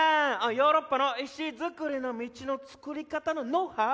ヨーロッパの石造りの道のつくり方のノウハウ